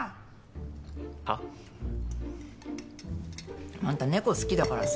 はっ？あんた猫好きだからさ